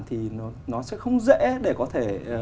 thì nó sẽ không dễ để có thể